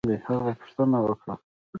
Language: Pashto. هغه پوښتنه وکړه